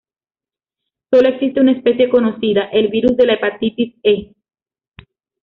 Sólo existe una especie conocida, el "virus de la Hepatitis E".